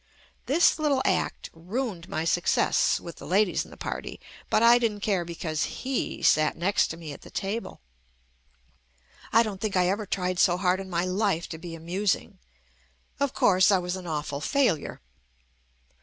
This little act ruined my success with the, ladies in the party, but I didn't care because "he" sat next to me at the table. I don't think I ever tried so hard in my life to be amusing — of course, I was an awful failure.